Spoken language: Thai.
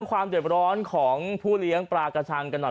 ความเจ็บร้อนของผู้เลี้ยงปลากระชังกันหน่อย